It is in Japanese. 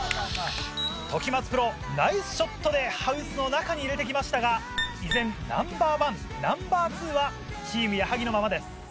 時松プロナイスショットでハウスの中に入れて来ましたが依然ナンバー１ナンバー２はチーム矢作のままです。